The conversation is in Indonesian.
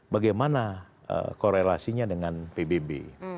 bagaimana korelasinya dengan pbb